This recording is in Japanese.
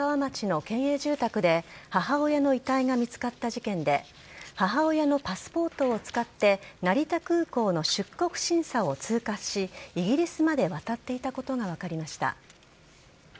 栃木県上三川町の県営住宅で母親の遺体が見つかった事件で母親のパスポートを使って成田空港の出国審査を通過しイギリスまで渡っていたことが分かりました。